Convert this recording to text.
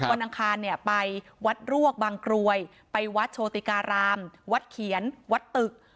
วนอังคารไปวัดลั่ววกบางกรวยไปวัดโชว์ติการามวัดเขียนวัดตึก